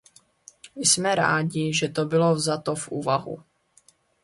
Jsme rádi, že to bylo vzato v úvahu.